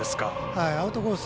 アウトコース